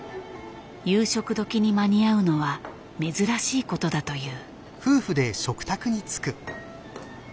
夕食時に間に合うのは珍しいことだという。